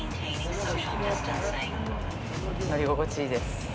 乗り心地、いいです。